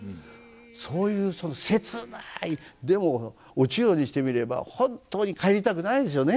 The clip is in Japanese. そういう切ないでもお千代にしてみれば本当に帰りたくないんですよね。